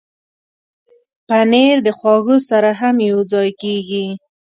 پنېر د خواږو سره هم یوځای کېږي.